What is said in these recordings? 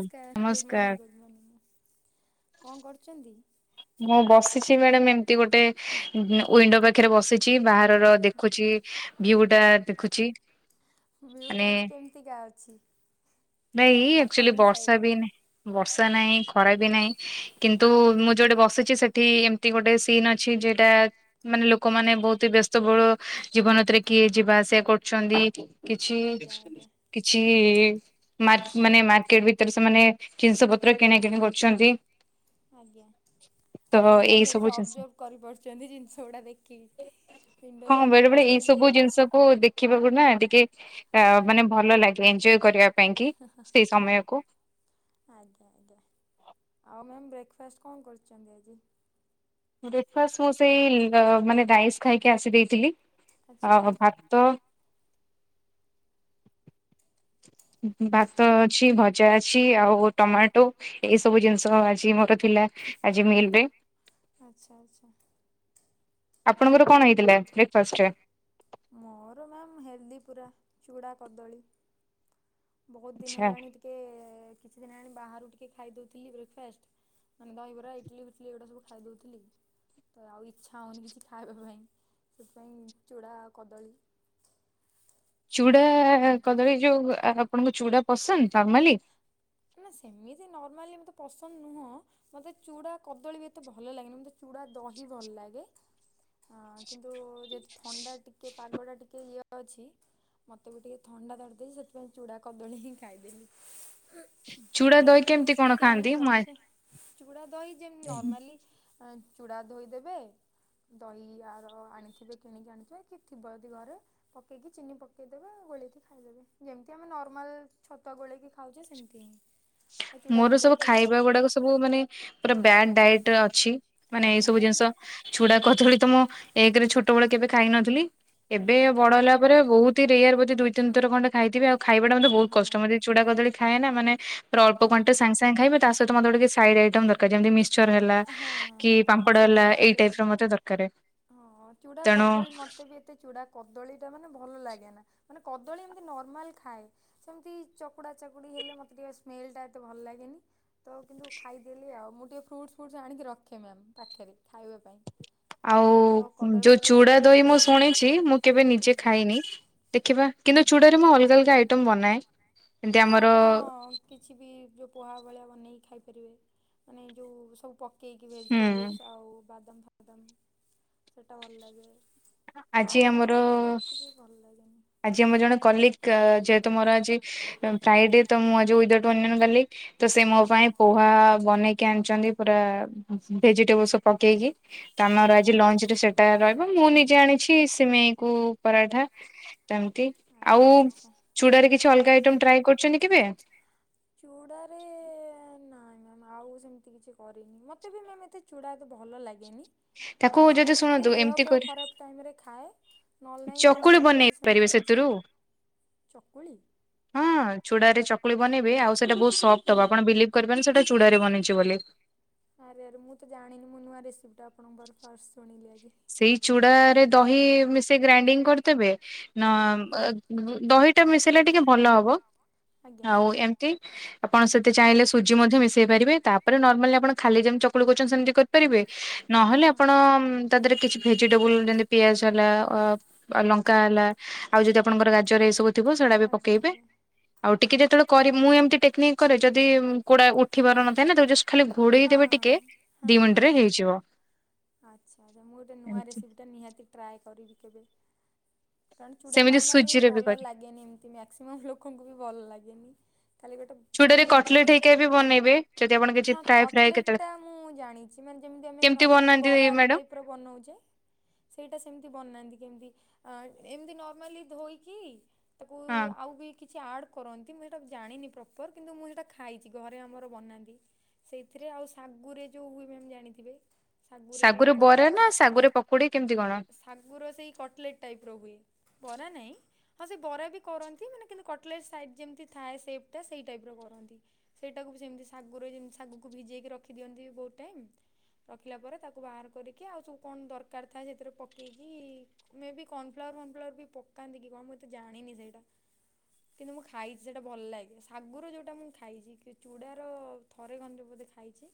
ସ୍କାର ଗୁଡ଼ ମର୍ଣ୍ଣିଙ୍ଗି ଗୁଡ଼ ମର୍ଣ୍ଣିଙ୍ଗି କଁ କରୁଚନ୍ତି? ମୁଁ ବସିଛି ମ୍ୟାଡ଼ାମ ଏମିତି ଗୋଟେ ଉଁ ୱିଣ୍ଡୋ ପାଖେରେ ବସିଚି ବାହାରର ଦେଖୁଛି ଭିଉ ଟା ଦେଖୁଛି। ଭିଉ ଟା ମାନେ ଆଜି କେମିତି କା ଅଛି? [unintelligible] ଆକ୍ଚୋଲି ଆପଣଙ୍କ ବର୍ଷା ସାଇଡ଼ରେ? ବି ନା ବର୍ଷା ନାଇଁ ଖରା ବି ନାଇଁ। କିନ୍ତୁ ମୁଁ ଯୋଉଠି ବସିଚି ନନା ସେଠି ଏମିତି ଗୋଟେ ସିନ୍ ଅଛି ଯେଟା ମାନେ ଲୋକୋମାନେ ବୋହୁତହି ବ୍ୟସ୍ତ [unintelligible] ଜୀବନ ଭିତରେ କିଏ ଯିବା ଆସିବା କରୁଛନ୍ତି। କିଛି ଆଜ୍ଞା ଆଜ୍ଞା କିଛି ମାନେ ମାର୍କେଟେ ଭିତରେ ସେମାନେ ଜିନିଷ ପତ୍ର କିଣା କିଣି କରୁଛନ୍ତି। ଆଜ୍ଞା ତ ଆପଣ ତାହେଲେ ଏଇ ସେଇଠି ସେ ସବୁ ଜିନିଷ ଅଜର୍ବ କରିପାରୁଚନ୍ତି ଜିନିଷ ଗୁଡ଼ା ଦେଖିକି। ୱିଣ୍ଡୋ ସାଇଟରେ ବସିଚନ୍ତି ଯେହେତୁ। କୁ ଦେଖିବାକୁ ନା ଟିକେ ଆଁ ମାନେ ଭଲ ଲାଗିବ ଏଞ୍ଜୟ କରିବା ପାଇଁ କି [unintelligible] ଆଜ୍ଞା ସେଇ ସମୟକୁ। ଆଜ୍ଞା ଆଉ ମ୍ୟାମ୍ ବ୍ରେକଫାଷ୍ଟ କଁ କରୁଚନ୍ତି ଆଜି? ବ୍ରେକଫାଷ ମୁଁ ସେଇ ଅ ମାନେ ରାଇସ୍ ଖାଇକି ଆସି ଦେଇଥିଲି ଆଚ୍ଛା। ଅ ଭାତ ଉଁ ଭାତ ଅଛି ଭଜା ଅଛି ଆଉ ଟମାଟୋ ଏଇ ସବୁ ଜିନିଷ ଆଜି ମୋରୋ ଥିଲା ଆଜି ମିଲ [unintelligible] ଆଚ୍ଛା ଆଚ୍ଛା। ଆପଣଙ୍କର କଣ ହେଇଥିଲା ବ୍ରେକଫାଷ୍ଟ ରେ? ମୋରୋ ମ୍ୟାମ୍ ହେଲ୍ଦୀ ପୁରା ଚୁଡ଼ା କଦଳୀ। ବୋହୁତ ଦିନି ଆଚ୍ଛା ହେଲାଣି ଟିକେ କିଛି ଦିନି ହେଲାଣି ବାହାରୁ ଟିକେ ଖାଇଦୋଉଥିଲି ବ୍ରେକଫାଷ୍ଟ। ମାନେ ଦହିବରା ଇଟଲି ଫିଟଲି ଏଗୁଡ଼ା ସବୁ ଖାଇଦୋଉଥିଲି। ତ ଆଉ ଇଚ୍ଛା ହୋଉନି କିଛି ଖାଇବା ପାଇଁ ସେଥିପାଇଁ ଚୂଡ଼ା ଆଉ କଦଳୀ ଚୁଡା କଦଳୀ ଯୋଉ ଆପଣଙ୍କୁ ଚୁଡା ପସନ୍ଦ ନର୍ମାଲି। ନା ସେମିତି ନର୍ମାଲି ମତେ ପସନ୍ଦ ନୁହଁ। ମତେ ଚୂଡ଼ା କଦଳୀ ବି ଏତେ ଭଲ ଲାଗେନି ମତେ ଚୂଡ଼ା ଦହି ଭଲ ଲାଗେ। ଅଁ କିନ୍ତୁ ଯେହେତୁ ଥଣ୍ଡା ଟିକେ ପାଗ ଟା ଟିକେ ଇଏ ଅଛି। ମୋତେ ବି ଟିକେ ଥଣ୍ଡା ଧରୀଦେଇଚି ସେଥିପାଇଁ ଚୁଡ଼ା କଦଳୀ ହିଁ ଖାଇଦେଲି। ଚୁଡା ମୁଁ ଦହି କେମିତି ଫ୍ରୁଟ୍ସ କଣ ଟିକେ ଖାଆନ୍ତି ଆଣିକି ମୁଁ ରଖେ ଚୁଡ଼ା ଦହି [unintelligible] ନର୍ମାଲି। [unintelligible] ଚୂଡ଼ା ଧୋଇଦେବେ ଦହି ଆର ଆଣିଥିବେ କିଣିକି ଆଣିଥିବେ କି ଥିବ ଯଦି ଘରେ। ପକେଇକି ଚିନି ପକେଇଦେବେ ଗୋଳେଇକି ଖାଇଦେବେ ଯେମିତି ଆମେ ନର୍ମାଲ ଛତୁଆ ଗୋଳେଇକି ଖାଉଚେ ସେମି ତି। ମୋରୋ ସବୁ ଖାଇବା ଗୁଡାକ ସବୁ ମାନେ ପୁରା ବ୍ୟାଡ୍ ଡାଏଟ୍ ଅଛି ମାନେ ଏଇ ସବୁ ଜିନଷ ଛୁଡା କଦଳୀ ତ ମୁଁ ଏକେରେ ଛୋଟୋ ବେଳ କେବେ ଖାଇ ନଥିଲି ଏବେ ଆଜ୍ଞା ବଡ ଆଜ୍ଞା ହେଲା ପରେ ବୋହୁତ ହି ରେୟାର ବୋଧୋ ଦୁଇ ତିିନି ଥର ଖଣ୍ଡେ କହିଥିବି ଆଉ ଖାଇବା ଟା ମତେ ହଁ ବୋହୁତ କଷ୍ଟ ହଁ। [unintelligible] ଚୁଡା କଦଳୀ ଖାଏନା ମାନେ ପୁରା ଅଳ୍ପ ହଁ [unintelligible] ସାଙ୍ଗ ସାଙ୍ଗ ଖାଇବି ତା ସହିତ ମତେ ଗୋଟେ କିଛି ସାଇଡ ଆଇଟମ୍ ଦରକାର ଯେମତି ମିଶ୍ [unintelligible] ହେଲା ହଁ ହଁ କି ହଁ ପାମ୍ପଡ ସେଇଟା ହେଲା ଏଇ ଟାଇପ ର ଟିକେ ମତେ ଦରକାରେ। ହଁ ଚୁଡା କଦଳୀ ମତ ମତେ ବି ଏତେ ଚୂଡ଼ା କଦଳୀ ଟା ମାନେ ଭଲ ଲାଗେ ନା ମାନେ କଦଳୀ ଏମିତି ନର୍ମାଲ ଖାଏ। ସେମିତି ଚକୁଡ଼ା ଚକୁଡି ହେଲେ ମତେ ଟିକେ ସ୍ମେଲ ଟା ଏତେ ଭଲ ଲାଗେନି। ତ କିନ୍ତୁ ଖାଇଦେଲି ଆଉ ମୁଁ ଟିକିଏ ଫ୍ରୁଟ୍ସ ଫୁଟ୍ସ୍ ଆଣିକି ରଖେ ମ୍ୟାମ୍ ପାଖରେ ଖାଇବା ପାଇଁ। ଆଉ ତ କଦଳୀ ଯୋଉ ଫଦଳୀ ଚୂଡା ଦହି ଆଭେଲେବୁଲ୍ ମୁଁ ରୁହେ ଶୁଣିଛି ମୁଁ କେବେ ଆଜ୍ଞା ନିଜେ ଆଜ୍ଞା। ଖାଇନି। ଦେଖିବା ହଁ କିନ୍ତୁ ଚୂଡାରେ ମୁଁ ଅଲଗା ଅଲଗା ଆଇଟମ ବନାଏ। ଯେମିତି ହଁ ଆମର ଆପଣ କିଛି ବି ଯେଉଁ ପୋହା ଭଳିଆ ବନେଇକି ଖାଇପାରିବେ ମାନେ ଯେଉଁ ସବୁ ପ କେକ୍ ହୁଁ। ଭେଜିଟେବୁଲ୍ସ ଆଉ ବାଦାମ ଫାଦାମ ସେଇଟା ଭଲ ଲାଗେ। ଆଜି ଆଉ ଆମର ନହେଲେ ମତେ ଏଥିପାଇ ଭଲ ଲାଗେନି। ଆଜି ଆମ ଜଣେ କଲିକ ଯେହେତୁ ମୋର ଆଜି ଫ୍ରାଇ ଡେ ତ ମୁଁ ଆଜି ୱିଦାଉଟ୍ ଅନିଅନ ଗାଲିକ ତ ସେ ମୋ ଆଚ୍ଛା। ପାଇଁ ପୋହା ବନେଇକି ଆଣିଛନ୍ତି। ପୁରା ଭେଜିଟେବୁଲ୍ସ ବ ପକେଇକି। ତ ଆମର ଆଜି ଲଞ୍ଚ ରେ ସେଟା ରହିବ ମୁଁ ନିଜେ ଆଣିଛି ସିମେଇ କୁ ପରାଠା। ସେମିତି ଆଉ ଆଚ୍ଛା ଆଚ୍ଛା। ଚୂଡ଼ାରେ କିଛି ଅଲଗା ଆଇଟମ୍ ଟ୍ରାଏ କରୁଛନ୍ତି କେବେ? ଚୁଡ଼ାରେ ନାଇଁ ମ୍ୟାମ ଆଉ ସେମତି କିଛି କରିନି ମତେ ବି ମାମ ଏତେ ଚୂଡ଼ା ଏତେ ଭଲ ଲାଗେନି। ଆ ତାକୁ ସେ ଯଦି କେମିତି ଶୁଣନ୍ତୁ ଦେହ ଏମିତି ପେହ କରି ଖରାପ ଟାଇମ ରେ ଖାଏ। ନହେଲେ ଚକୁଳି ନାଇଁ ବନେଇ ଯଦି ପାରିବେ ସେମିତି ସେଥିରୁ କିଛି ଚକୁଳି। ହଁ ଚୁଡାରେ ଚକୁଳି ବନେଇବେ ଆଉ ସେଟା ବହୁତ ସଫ୍ଟ ହବ ଆପଣ ବିଲିଭ କରିବେନି ସେଟା ଚୁଡାରେ ବନେଇଛେ ବୋଲି। ଆରେ ଆରେ ମୁଁ ତ ଜଣିନି ମୁଁ ନୂଆ ରେସିପିଟା ଆପଣଙ୍କର ଫାଷ୍ଟ ଶୁଣିଲି ଆଜି। ଚୁଡ଼ାରେ ଦହି ମିସେଇକି ଗ୍ରାଇଣ୍ଡିଙ୍ଗ କରିଦେବେ ନ ଆଜ୍ଞା ଦହିଟା ମିଶେଇଲେ ଟିକେ ଭଲ ହବ ଆଜ୍ଞା ଆଉ ଆଜ୍ଞା ଏମିତି ଆପଣ ସେଠି ଚାହିଁଲେ ସୁଜି ମଧ୍ୟ ମିଶେଇ ପାରିବେ, ତାପରେ ନର୍ମାଲି ଆପଣ ଖାଲି ଯେମି ଚକୁଳି କରୁଛନ୍ତି ସେମତି କର ପାରିବେ ନହେଲେ ହଁ। ଆପଣ ତା ଦେହରେ କିଛି ଭେଜିଟେବୁଲ ଯେମତି ପିଆଜ ହେଲା ଅ ଲଙ୍କା ହେଲା ଆଉ ଯଦି ଆପଣଙ୍କର ଗାଜର ଏଇ ସବୁ ଥିବ ସେଗୁଡ଼ା ବି ଆଜ୍ଞା ପକେଇବେ ଆଜ୍ଞା। ଆଉ ଟିକେ ଯେତେବେଳେ କରି ମୁଁ ଏମତିି ଟେକ୍ନିକ୍ କରେ ଯଦି କୋଡା ଉଠିିବାର ନଥାଏ ନା ଜଷ୍ଟ ଖାଲି ଘୋଡେଇ ହଁ ଦେବେ ହଁ ଟିକେ ଦି ହଁ ହଁ ମିନିଟ ରେ ହଁ। ହେଇଯିବ। ଆଚ୍ଛା ଆଚ୍ଛା ମୁଁ ଗୋଟେ ନୂଆ ଏମିତି ରେସିପିଟା ନିହାତି ଟ୍ରାଏ କରିବି କେବେ। କାରଣ ଚୁଡା ସେମିତି ନର୍ମାଲି ସୁଜିରେ ବି ଭଲ କରି ଲାଗେନି ଏମତି ମ୍ୟା ମାକ୍ସିମମ୍ ଲୋକଙ୍କୁ ବି ଭଲ ଲାଗେନି ଖାଲି ଗୋଟେ ଯୋଉଟାରେ କଟଲେଟ୍ ହେଇକା ବି ବନେଇବେ ଯଦି ଆପଣ କିଛି ହଁ ଫ୍ରାଏ ଫ୍ରାଏ କକ୍ଲେଟ୍ କେତେବେଳେ ମୁଁ ଜାଣିଛି। ଯେମତି ଆମେ କେମିତି ନର୍ମାଲ ବନାନ୍ତି ବରା ମ୍ୟାଡାମ? ଟାଇପର ବନଉଚେ। ସେଇଟା ସେମିତି ବନାନ୍ତି କେମିତି ଏମିତି ନର୍ମାଲି ଧୋଇକି ତାକୁ ହଁ। ଆଉ ବି କିଛି ଆଡ଼୍ କରନ୍ତି ମୁଁ ସେଇଟା ଜାଣିନି ପ୍ରପର କିନ୍ତୁ ମୁଁ ସେଇଟା ଖାଇଛି ଘରେ ଆମର ବନାନ୍ତି। ସେଇଥିରେ ଆଉ ଶାଗୁରେ ଯୋଉ ହୁଏ ମ ଆମ ଜାଣିଥିବେ। ଶାଗୁରେ ବି ସାଗୁରେ ରେ ବରା ନା ଶାଗୁରେ ପକୁୋଡ କେମିତି କଣ? ଶାଗୁରେ ସେଇ କଟଲେଟ୍ ଟାଇପ୍ର ହୁଏ ଵରା ନାଇଁ। ହଁ ସେ ବରା ବି କରନ୍ତି ମାନେ କିନ୍ତୁ କଟଲେଟ ସାଇଜି ଯେମିତି ଥାଏ ସେପଟା ସେଇ ଟାଇପର କରନ୍ତି। ସେଇଟାକୁ ବି ସେମିତି ଶାଗୁରେ ଯେମିତି ଶାଗୁକୁ ଭିଜେଇକି ରଖିଦିଅନ୍ତି ବୋହୁ ଟାଇମ୍ ଖିଲା ପରେ ତାକୁ ବାହାର କରିକି ଆଉ ସବୁ କଣ ଦରକାର ଥାଏ ସେଥିରେ ପକେଇକି ମେ ବି କର୍ଣଫ୍ଲାୱାର ଫନଫ୍ଲାୱାର ବି ପକାନ୍ତି କି କଣ ମୁଁଏତେ ଜାଣିନି ସେଇଟା। କିନ୍ତୁ ମୁଁ ଖାଇଚି, ସେଇଟା ଭଲ ଲାଗେ ଶାଗୁର ଯେଉଁଟା ମୁଁ ଖାଇଚି କି ଚୂଡ଼ାର ଥରେ ଖଣ୍ଡେ ବୋଧେ ଖାଇଚି,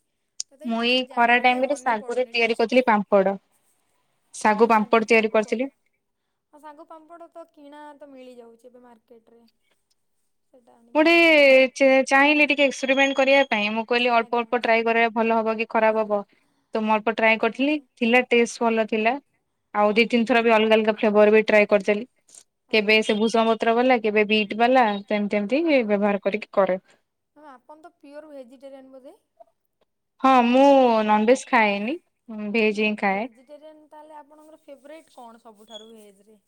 ମୁଁ ତଥାପି ଏଇ ଚି ଜାଣି ଖରା ଟିକେ ଟାଇମରେ ମନେ ଶାଗୁରେ ପଡୁନି ତିଆରି ଟେଷ୍ଟେ କରିଥିଲି ଟା ପାମ୍ପଡ। ହଁ ଶାଗୁ ପାମ୍ପଡ। ହଁ ଶାଗୁ ପାମ୍ପଡ ତ କିଣା ତ ମିଳିଯାଉଚି ଏବେ ମାର୍କେଟ ରେ। ମୁଁ ଟିକେ ଚେ ଚାହିଁଲିି ଟିକେ ଏକ୍ସପିରିମେଣ୍ଟ କରିଆ ପାଇଁ ମୁଁ କହିଲି ଅଳ୍ପ ଆଜ୍ଞା ଅଳ୍ପ ଆଜ୍ଞା ଟ୍ରାଏ କରିଆ ଭଲ ହବ କି ଖରାପ ହବ, ତ ମୁଁ ଅଳ୍ପ ଟ୍ରାଏ ଆଚ୍ଛା କରିଥିଲି ଆଚ୍ଛା। ଥିଲା ଟେଷ୍ଟ ଭଲ ଥିଲା। ଆଉ ଦି ତିନି ଆଜ୍ଞା। ଥର ବି ଅଲଗା ଅଲଗା ଫ୍ଲେବର ବି ଟ୍ରାଏ କରିଦେଲି। କେବେ ଆଜ୍ଞା ସେ ଭୂଷଙ୍ଗ ପତ୍ର ବାଲା କେବେ ବିଟ୍ ବାଲା ଏମତି ଏମିତି ବ୍ୟବହାର କରିକି କରେ। ଆଉ ଆପଣ ତ ପିଓର ଭେଜିଟେରିଆନ୍ ବୋଧେ? ହଁ ମୁଁ ନନଭେଜ୍ ଖାଏନି। ଭେଜ୍ ହିଁ ଖାଏ। ଭେଜିଟେରିଆନ ତାହଲେ ଆପଣଙ୍କର ଫେବ୍ରାଇଟ କଣ ସବୁଠାରୁ ଭେଜରେ?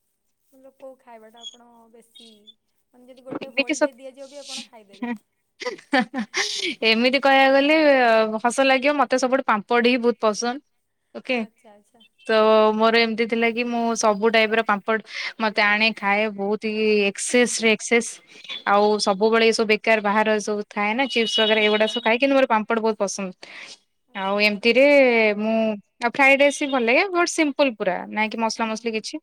ମତଲବ କୋଉ ଖାଇବାଟା ଆପଣ ବେଶୀ ମାନେ ଯଦି ଗୋଟେ ଏମିତି ହୋଲ ସ ଡେ ଦିଆଯିବ ବି ଆପଣ ଖାଇଦେବେ। ଏମିତି କହିଆକୁ ଗଲେ ହସ ଲାଗିବ ମତେ ସବୁଠୁ ପାମ୍ପ ପଡ ହିଁ ବୋହୁତ ପସନ୍ଦ ଓକେ। ଆଚ୍ଛା ଆଚ୍ଛା। ତ ମୋର ଏମିତି ଥିଲା କି ମୁଁ ସବୁ ଟାଇପର ପାମ୍ପଡ ମତେ ଆଣେ ଖାଏ ବୋହୁତ ଟିକେ ଏକ୍ସେସ ରେ ଏକ୍ସେସ ଆଉ ସବୁବେଳେ ତ ବେକାର ବାହାର ସବୁ ଥାଏ ନା ଚିପ୍ସ ବଗେରା ହଁ ଏଉଡା ହଁ ସବୁ ହଁ ଖାଏ କିନ୍ତୁ ହଁ ଆଚ୍ଛା ମୋର ଆଚ୍ଛା। ପାମ୍ପଡ ବୋହୁତ ପସନ୍ଦ। ହୁଁ ଆଉ ହଁ ଆଚ୍ଛା ଏମିତିରେ ମୁଁ ଆଉ ଫ୍ରାଏ ରାଇସି ବି ଭଲ ଲାଗେ ବଟ ସିମ୍ପୁଲ ପୁରା। ନାଇଁ କି ମସଲା ମସଲି କି ଛି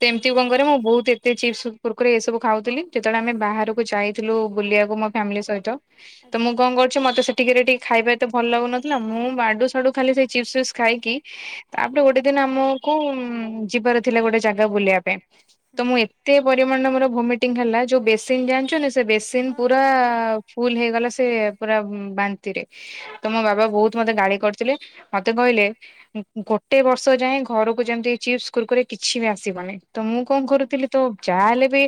ତେ ଏମିତି କଣ କରେ ଆଚ୍ଛା ମୁଁ ଆଚ୍ଛା। ବୋହୁତ ଏତେ ଚିପ୍ସ କୁରକୁରି ଏ ସବୁ ଖାଉଥିଲି। ଯେତେବେଳେ ଆମେ ବାହାରକୁ ଯାଇଥିଲୁ ବୁଲିଆକୁ ମୋ ଫ୍ୟାମିଲି ସହିତ ତ ମୁଁ କଣ ଆଚ୍ଛା। କରୁଚି ମତେ ସେଟି କିରେ ଟିକେ ଖାଇବା ମତେ ଭଲ ଲାଗୁନଥିଲା। ମୁଁ ଆଡୁ ସାଡୁ ଖାଲି ସେଇ ଚିପ୍ସ ଫିସ୍ ଖାଇକି ତାପରେ ଗୋଟେ ଦିନ ଆ ମୋ କୁ ଯିବାର ଥିଲା ଗୋଟେ ଜାଗା ବୁଲିଆ ପାଇଁ, ତ ମୁଁ ଏତେ ପରିମାଣ ମୋର ଭୋମେ ଟିଙ୍ଗ ହେଲା। ଯୋଉ ବେସିନ ଜାଣିଚନ୍ତି ସେ ବେସିନ ହଁ ପୁରା ହଁ ହଁ। ଫୁଲ ହେଇଗଲା ସେ ପୁରା ବାନ୍ତିରେ। ଆଚ୍ଛା ତ ମୋ ବାବା ଆଚ୍ଛା। ଆଚ୍ଛା ବୋହୁତ ମତେ ଗାଳି କରିଥିଲେ। ମତେ କହିଲେ ଉଁ ଉଁ ଗୋଟେ ବର୍ଷ ଯାଏଁ ଘରକୁ ଯେମିତି ଚିପ୍ସ କୁରକୁରି କିଛି ବି ଆସିବନି। ତ ମୁଁ କଣ କରୁଥିଲି ତୋ ଆଚ୍ଛା। ଯାହାହଲେ ବି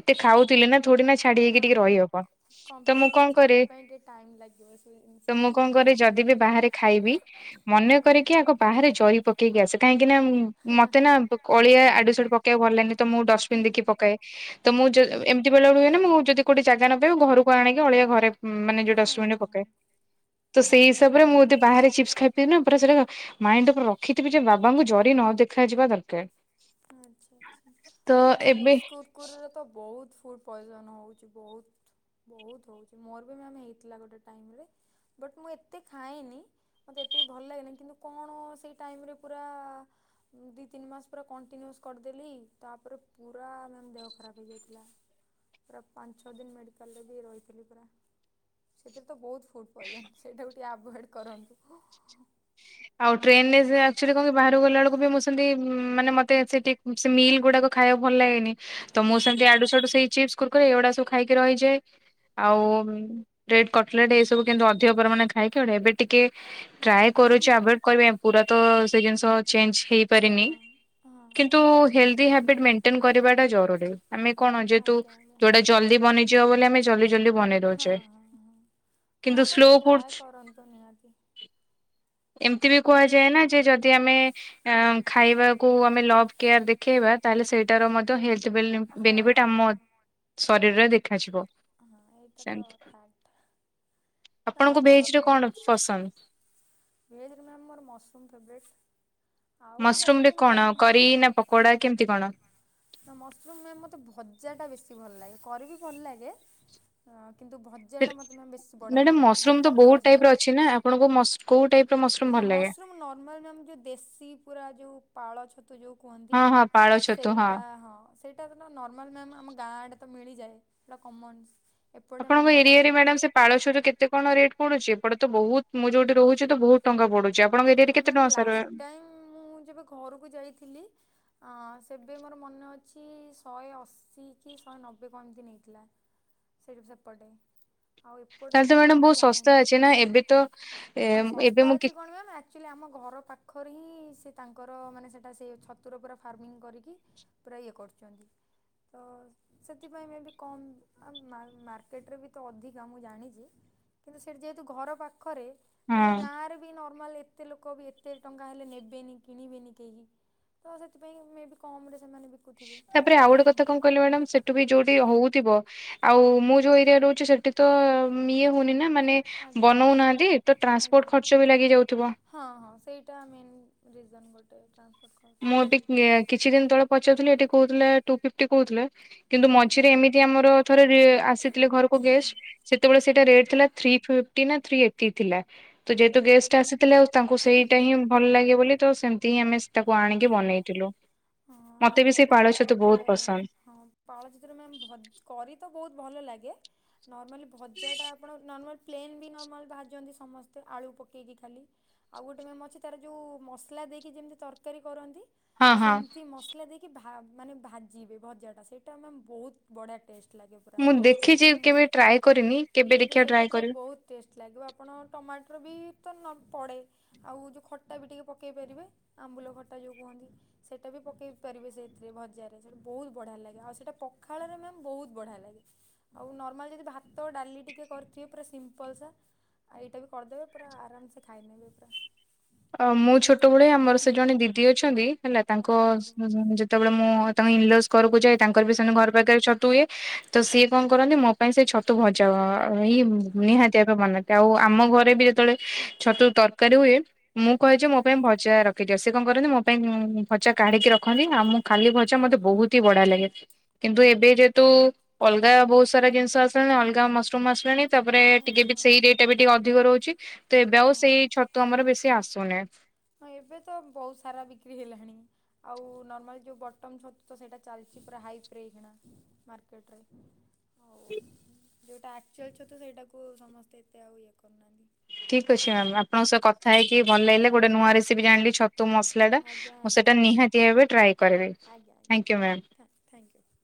ଏତେ ଖାଉଥିଲି ନା ଥୋଡି ନା ଛାଡି ହେଇକି ଟିକେ ହଁ ରହି ହବ। ତ ମୁଁ କମ୍ପ୍ଲିଟଲି କଣ କରେ ଛାଡ଼ିବା ପାଇଁ ଟିକେ ଟାଇମ୍ ଲାଗିବ ସେଇ ଜିନିଷ। ତ, ଆଜ୍ଞା। ମୁଁ କଣ କରେ ଯଦି ବି ବାହାରେ ଖାଇବି ମନେକରିକି ଆଗ ବାହାରେ ଜରି ପକେଇକି ଆସେ। କାହିଁକି ନା ବା ହେଁ ହେଁ। ମତେ ନା ଅଳିଆ ଆଡୁ ସାଡୁ ପ କେଇବାକୁ ଭଲା ଲାଗେନି ତ ମୁଁ ହୁଁ ଡଷ୍ଟପିନ୍ ଦେଖି ପକାଏ। ତ ମୁଁ ହଁ। ଯେ ଏମତି ବେଳେବେଳେ ହୁଏ ନା ମୁଁ ଯଦି କୋଉଠି ଜାଗା ନପାଇବି ମୁଁ ଘରକୁ ଆଣିକି ଅଳିଆ ଘରେ ମାନେ ଯୋଉ ହଁ ହଁ ଡଷ୍ଟବିନରେ ପକାଏ। ତ ସେଇ ଆଚ୍ଛା ହିସାବରେ ମୁଁ ଆଚ୍ଛା। ଯଦି ବାହାରେ ଚିପ୍ସ ଖାଇବି ଫିର୍ ନା ପୁରା ସେରା ମାଇଣ୍ଡରେ ପୁରା ରଖିଥିବି ଯେ ବାବାଙ୍କୁ ଜରି ନ ଦେଖାଯିବା ଦରକାର। ଆଚ୍ଛା ଆଚ୍ଛା ତ ମ୍ୟାମ୍ ଏବେ ଚିପ୍ସ କୁର୍ କୁରିର ତ ବୋହୁତ ଫୁଡ ପଏଜନ ହୋଉଚି ବୋହୁତ। ବୋହୁତ ହୋଉଚି ମୋର ବି ମ୍ୟାମ୍ ହେଇଥିଲା ଗୋଟେ ଟାଇମରେ ବଟ ମୁଁ ଏତେ ଖାଏନି। ମତେ ଏତେ ବି ଭଲ ଲାଗେନି କିନ୍ତୁ କଣ ସେଇ ଟାଇମରେ ପୁରା ଦି ତିନି ମାସ୍ ପୁରା କଣ୍ଟିନ୍ୟୁସ୍ କରଦେଲି ତାପରେ ପୁରା ମ୍ୟାମ୍ ଦେହ ଖରାପ ହେଇଯାଇଥିଲା। ପୁରା ପାଞ୍ଚ ଛଅ ଦିନ ମେଡିକାଲରେ ବି ରହିଥିଲି ପୁର। ସେଥିରେ ତ ବୋହୁତ ଫୁଡ ପଏଜନ୍ ସେଇଟାକୁ ଟିକେ ଆଭୁଏଡ କରନ୍ତୁ। ଆଉ ଟ୍ରେନରେ ସେ ଆକଚ୍ୟୁଏଲି କଣ ବାହାରକୁ ଗଲା ବେଳକୁ ବି ମୁଁ ସେମତି ଉଁ ମାନେ ମ ତେ ସେଟି ଉଁ ସେ ମିଲ୍ ଗୁଡାକ ଖାଇବାକୁ ଭଲ ଲାଗେନି। ତ ମୁଁ ସେମିତି ଆଡୁ ସାଡୁ ହଁ। ସେଇ ଚିପ୍ସି କୁର୍ କୁରି ଏଗୁଡା ସବୁ ଖାଇକି ରହିଯାଏ। ଆଉ ବ୍ରେଡ, କଟଲେଟ ଏ ସବୁ କିନ୍ତୁ ଅଧିକ ପରମାଣେ ଖାଇକି ଗୋଟେ ଏବେ ଟିକେ ଟ୍ରାଏ କରୁ କହିବେ ପୁରା ତ ସେ ଜିନିଷ ଚେଞ୍ଜ ହଁ ହେଇପାରିନି। ହଁ। କିନ୍ତୁ ହେଲଦି ହାବିଟ୍ ମେଣ୍ଟେନ କରିବାଟା ଜରୁରୀ ଆମେ କଣ ଯେହେତୁ କିୟ୍ଯା ହୁଆ ଯୋଉଟା ହଁ ଏଟ ଜଲ୍ଦି ଜଲଦି ବନିଯିବ ବୋଲି ଜଲ୍ଦି ଆମେ ଜଲ୍ଦି ଜଲଦି ବନେଇ ଜଲଦି ହଁ ଦଉଛେ ହଁ ହଁ। ହଁ କିନ୍ତୁ ଆପଣ ସ୍ଲୋ ଟ୍ରାଏ ଫୁଡ କରନ୍ତୁ ନିହାତି। ଏମିତି ବି କୁହାଯାଏ ନା ଯେ ଯଦି ଆମେ ଖାଇବାକୁ ଆମେ ଲଭ କେୟାର ଦେଖେଇବା। ତାହେଲେ ସେଇଟାର ମଧ୍ୟ ହେଲଥ୍ ହଁ ବେଲି-ବେନିଫିଟ୍ ଆମ ହଁ ହଁ। ଶରୀରରେ ଦେଖାଯିବ। ହଁ ଏଇଟା ତ ସେମତି ଫ୍ୟାକ୍ଟ। ଆପଣଙ୍କୁ ହବ ଭେଜରେ କଣ ଆପଣ ପସନ୍ଦ? ଭେଜରେ ମ୍ୟାମ୍ ମୋର ମସରୁମ୍ ଫେବରାଇଟ୍। ଆଉ ମସରୁମ ବାକି ରେ କଣ ନନ୍ କରି ନା ପକୋଡା କେମିତି କଣ? ନା ମସରୁମ ମ୍ୟାମ ମତେ ଭଜା ଟା ବେଶୀ ଭଲ ଲାଗେ। କରିବି ଭଲ ଲାଗେ। ହ କିନ୍ତୁ ଭଜା ଟା ମତେ ମ୍ୟାମ ବେଶୀ ବଢିଆ ମ୍ୟାଡାମ ଲାଗେ। ମସରୁମ ମାନେ ତ ବହୁତ ପଖାଳ ଟାଇପ ସହିତ। ର ଅଛି ନା ଆପଣଙ୍କୁ ମସ୍ କୋଉ ଟାଇପ ର ମସରୁମ ହଁ ଭଲ ଲାଗେ? ମସରୁମ ନର୍ମାଲ ମ୍ୟାମ ଯେମିତି ଦେଶୀ ପୁରା ଯୋଉ ପାଳ ଛ ତୁ ଯୋଉ କୁହନ୍ତି। ହଁ ହଁ ପାଳ ଛତୁ ସେଇଟା ହଁ ସେ ଟା ନର୍ମାଲ ମ୍ୟାମ୍ ଆମ ଗାଁ ଆଡେ ତ ମିଳିଯାଏ। ଏଟା କମନ୍ସ ଏପଟେ ଆପଣଙ୍କ ନର୍ମାଲ ଏରିଆରେ ମ୍ୟାଡାମ ମ୍ୟାମ ସେ ପାଳ ଛତୁ କେତେ କଣ ରେଟ୍ ପଡୁଛି? ଏପଟେ ତ ବହୁତ ମୁଁ ଯୋଉଠି ରହୁଛି ତ ବହୁତ ଟଙ୍କା ପଢୁଛି। ଆପଣଙ୍କ ଏରିଆରେ କେତେ ମ୍ୟାମ୍ ଟଙ୍କାର ଲାଷ୍ଟ ସାରିବେ? ଟାଇମ୍ ମୁଁ ଯେବେ ଘରକୁ ଯାଇଥିଲି ହଁ ସେବେ ମୋର ମନେ ଅଛି ଶହେ ଅଶୀ କି ଶହେ ନବେ କଣ ଏମିତି ନେଇଥିଲା। ସେଇଠି ସେପଟେ। ଆଉ ଏପଟରେ ତାହେଲେ ତ ମ୍ୟାମ ମ୍ୟାଡାମ ମୁଁ ବହୁତ ଶସ୍ତା ଜାଣିନି। ଅଛି ନା ଏବେ ତ ଏ ହଁ ଏବେ ଶସ୍ତା ମୁଁ କି ଅଛି। ଣିବା ମ୍ୟାମ ଆକ୍ଚୁଆଲି ଆମ ଘର ପାଖରେ ହିଁ ସେ ତାଙ୍କର ମାନେ ସେଇଟା ସେ ଛତୁର ପୁରା ଫାର୍ମିଂ କରିକି ପୁରା ଇଏ କରୁଛନ୍ତି। ତ ସେଥିପାଇଁ ମେ କମ ମା ମାର୍କେଟରେ ବି ତ ଅଧିକା ମୁଁ ଜାଣିଛି। କିନ୍ତୁ ସେଠି ଯେହେତୁ ଘର ପାଖରେ ତାପରେ ହଁ। ଗାଁ ରେ ନର୍ମାଲ ଏତେ ଲୋକ ବି ଏତେ ଟଙ୍କା ହେଲେ ନେବେନି କିଣିବେନି କେହି। ତ ସେଥିପାଇଁ ମେ ବି କମ ରେ ସେମାନେ ବି ତାପରେ ଆଉ ଗୋଟେ କଥା କଣ କହିଲି ମ୍ୟାଡାମ ସେଠୁ ବି ହୁଁ ଯୋଉଠି ହଉଥିବ ଆଉ ମୁଁ ଯୋଉ ଏରିଆ ରହୁଛି ସେଠି ତ ଇଏ ହଉନି ନା। ମାନେ ଆଜ୍ଞା। ଆଜ୍ଞା ବନଉ ଆଜ୍ଞା ନାହାନ୍ତି। ତ ଆଜ୍ଞା। ଟ୍ରାନ୍ସପୋର୍ଟ ଖର୍ଚ୍ଚ ବି ଲାଗି ଯାଉଥିବ। ହଁ ହଁ ସେଇଟା ମେନ୍ ରିଜନ ଗୋଟେ ଟ୍ରାନ୍ସପୋର୍ଟ ଖର୍ଚ୍ଚ ମୁଁ ବି ଏବେ ଲାଗେ। କିଛି ଦିନ ତଳେ ପଚାରୁଥିଲେ ଏଠି କହୁଥିଲେ ଟୁ ଫିପ୍ଟି କହୁଥିଲେ। କିନ୍ତୁ ଆଜ୍ଞା। ମଝିରେ ଏମିତି ଆମର ଥରେ ରେ ଆସିଥିଲେ ଘରକୁ ଗେଷ୍ଟ୍ ସେତେବେଳେ ସେଇଟା ରେଟ ଥିଲା ଥ୍ରୀ ଫିଫ୍ଟୀ ନା ଥ୍ରି ଏଇଟି ଥିଲା। ତ ଯେହେତୁ ଗେଷ୍ଟ ହୁଁ। ଆସିଥିଲେ। ଆଉ ତାଙ୍କୁ ସେଇଟା ହିଁ ଭଲ ଲାଗେ ବୋଲି ତ ସେମିତି ହିଁ ଆମେ ତାକୁ ଆଣିକି ବନେଇଥିଲୁ। ହଁ ନାଁ ମତେ ବି ସେଇ ଛତୁଟା ପାଳ ଛତୁ ଟିକେ ବହୁତ ପସନ୍ଦ ହଁ ପାଳ ଛତୁରେ ମ୍ୟାମ୍ ଭ କରି ତ ବହୁତ ଭଲ ଲାଗେ। ନର୍ମାଲି ଭଜାଟା ଆପଣ ନର୍ମାଲ ପ୍ଲେନ୍ ବି ନର୍ମାଲ୍ ଭାଜନ୍ତି ସମସ୍ତେ ଆଳୁ ପକେଇକି ଖାଲି। ଆଉ ଗୋଟେ ମ୍ୟାମ୍ ଅଛି ତାର ଯେଉଁ ମସଲା ଦେଇକି ଯେମିତି ତରକାରୀ କରନ୍ତି। ହଁ ହଁ। ସେମିତି ମସଲା ଦେଇକି ଭା ମାନେ ଭାଜିବେ ଭଜା ଟା ସେଇଟା ମ୍ୟାମ ବହୁତ ବଢିଆ ଟେଷ୍ଟ। ଲାଗେ ପୁରା ମୁଁ ଦେଖିଛି ମାନେ କେବେ ଟ୍ରାଏ କରିନି କେବେ କିନ୍ତୁ ଦେଖିବା ସେଇଟା ଟ୍ରାଏ ପୁରା କରିବି। ବହୁ ଟେଷ୍ଟ ଲାଗିବ। ଆପଣ ଟମାଟର ବି ତ ନ ପଡେ। ଆଉ ଯୋଉ ଖଟା ବି ଟିକେ ପକେଇ ପାରିବେ। ଆମ୍ବୁଲ ଖଟା ଯୋଉ କୁହନ୍ତି। ସେ ସେଇଟା ବି ପକାଇ ପାରିବେ ସେଇଥିରେ ଭଜାରେ ସେଇଟା ବହୁତ ବଢିଆ ଲାଗେ। ଆଉ ସେଇଟା ପଖାଳରେ ମ୍ୟାମ ବହୁତ ବଢିଆ ଲାଗେ। ଆଉ ନର୍ମାଲ ଯଦି ଭାତ ଡାଲି ଟିକେ କରିଥିବେ। ପୁରା ସିମ୍ପଲସା। ଆଉ ଏଇଟା ବି କରିଦେବେ ପୁରା ଆରାମସେ ଖାଇ ନେବେ ପୁରା। ଅ ମୁଁ ଛୋଟବେଳେ ଆମର ସେ ଜଣେ ଦିଦି ଅଛନ୍ତି। ହେଲା ତାଙ୍କ ଆଜ୍ଞା ଆଜ୍ଞା। ଯେତେବେଳେ ମୁଁ ଇନ୍ ଲଜ ଘରକୁ ଯାଏ। ତାଙ୍କର ବି ସେମିତି ଘର ପାଖରେ ଛତୁ ହୁଏ। ତ ସିଏ କଣ କରନ୍ତି ମୋ ପାଇଁ ସେ ଛତୁ ତୁ ଭଜା ଇଏ ହଁ ହଁ। ନିହାତି ବନାନ୍ତି ଆଉ ଆମ ଘରେ ବି ଯେତେବେଳେ ଛତୁ ତରକାରୀ ହୁଏ ମୁଁ କହେ ଯେ ମୋ ପାଇଁ ହୁଁ। ଭଜା ରଖି ଦିଅ। ସିଏ କଣ କରନ୍ତି ମୋ ପାଇଁ ଭଜା କାଢିକି ରଖନ୍ତି। ଆଉ ମୁଁ ଖାଲି ଭଜା ମତେ ବହୁତ ଡି ବଢିଆ ଲାଗେ। କିନ୍ତୁ ଏବେ ଯେହେତୁ ଅଲଗା ବହୁତ ସାରା ଜିନିଷ ଅଲଗା ମସରୁମ ଆସିଲାଣି ତାପରେ ଟିକେ ଆଚ୍ଛା ବି ସେଇ ଆଚ୍ଛା ରେଟ୍ ବି ଟିକେ ଅଧିକ ରହୁଛି। ତ ଏବେ ହଁ। ଆଉ ସେଇ ଛତ୍ ତୁ ଆମର ବେଶୀ ଆସୁନି। ହଁ ଏବେ ତ ବହୁତ ସାରା ବିକ୍ରି ହେଲାଣି। ଆଉ ନର୍ମାଲି ଯେଉଁ ବଟମ ଛତୁ ତ ସେଇଟା ଚାଲିଛି ପୁରା ହାଇ ଫ୍ରେ କିଣା। ମାର୍କେଟରେ ହଉ ଯେଉଟା ଆକ୍ଚୁଆଲ ଛତୁ ସେଇଟାକୁ ସମସ୍ତେ ଏତେ ଆଉ ଇଏ କରୁନାହାଁନ୍ତି। ଠିକ୍ ଅଛି ମ୍ୟାମ୍। ଆପଣଙ୍କ ସହ କଥା ହେଇକି ଭଲ ଲାଗିଲା ଗୋଟେ ନୂଆ ରେସିପି ଜାଣିଲି ଛତୁ ମସଲାଟା। ଆଜ୍ଞା ମୁଁ ଆଜ୍ଞା ସେଇଟା ନିହାତି ଭାବେ ଟ୍ରାଏ କରିବି। ଆଜ୍ଞା ଆଜ୍ଞା ଆଜ୍ଞା thank you ma'am. Thank you.